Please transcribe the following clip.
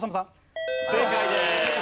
正解です。